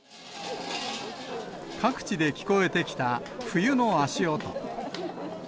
各地で聞こえてきた冬の足音。